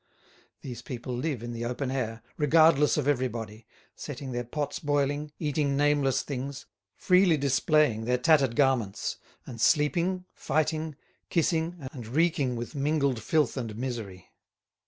These people live in the open air, regardless of everybody, setting their pots boiling, eating nameless things, freely displaying their tattered garments, and sleeping, fighting, kissing, and reeking with mingled filth and misery.